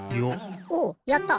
おおやった。